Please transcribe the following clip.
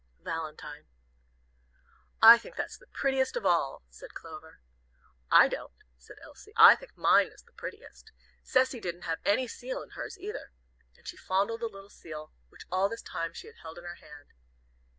"VALENTINE." "I think that's the prettiest of all," said Clover. "I don't," said Elsie. "I think mine is the prettiest. Cecy didn't have any seal in hers, either." And she fondled the little seal, which all this time she had held in her hand.